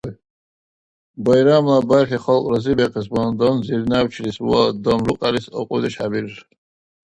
Байрамла бархӀи, халкь разибиахъес багьандан, зирнявчис ва дамрухъялис акьудеш хӀебирар.